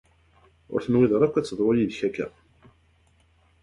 Ur tenwiḍ ara akk ad teḍru yid-k akka.